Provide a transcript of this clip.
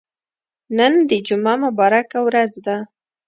نن د جمعه مبارکه ورځ ده.